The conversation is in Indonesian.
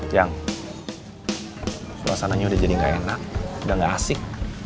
yang suasananya udah jadi gak enak udah gak asik